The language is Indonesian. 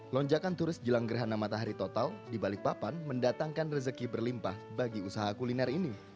lonjakan turis jelang gerhana matahari total di balikpapan mendatangkan rezeki berlimpah bagi usaha kuliner ini